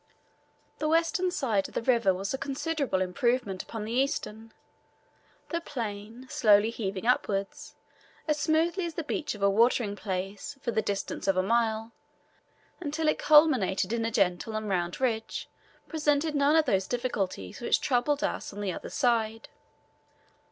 The western side of the river was a considerable improvement upon the eastern. The plain, slowly heaving upwards, as smoothly as the beach of a watering place, for the distance of a mile, until it culminated in a gentle and rounded ridge, presented none of those difficulties which troubled us on the other side.